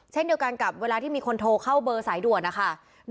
เช่นเดียวกันกับเวลาที่มีคนโทรเข้าเบอร์สายด่วนนะคะ